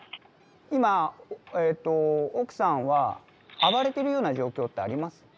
今えと奥さんは暴れてるような状況ってあります？